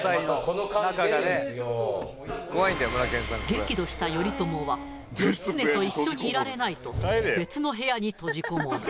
激怒した頼朝は義経と一緒にいられないと別の部屋に閉じこもる。